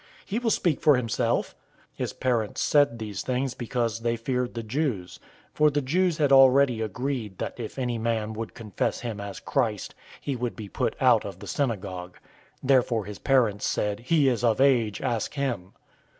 He will speak for himself." 009:022 His parents said these things because they feared the Jews; for the Jews had already agreed that if any man would confess him as Christ, he would be put out of the synagogue. 009:023 Therefore his parents said, "He is of age. Ask him."